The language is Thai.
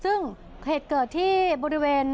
ซึ่งเหตุเกิดที่บริเวณ